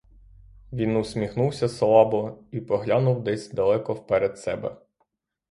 Він усміхнувся слабо і поглянув десь далеко вперед себе.